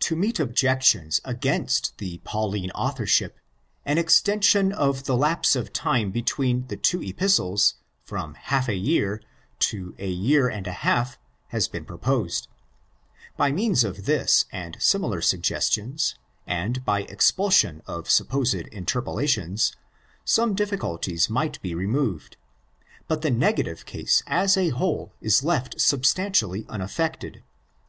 To meet objections against the Pauline authorship an extension of the lapse of time between the two Epistles from half a year to ἃ year and a half has been proposed. By means of this and similar sugges tions, and by expulsion of supposed interpolations, some difficulties might be removed; but the negative case as a whole is left substantially unaffected.